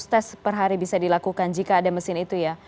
tes per hari bisa dilakukan jika ada mesin itu ya